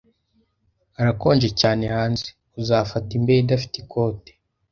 Harakonje cyane hanze. Uzafata imbeho idafite ikote